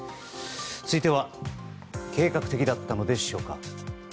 続いては計画的だったのでしょうか。